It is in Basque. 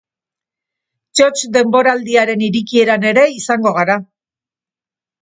Txotx denboraldiaren irekieran ere izango gara.